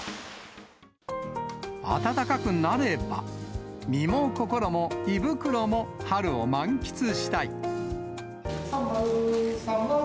暖かくなれば、身も心も胃袋も春を満喫したい。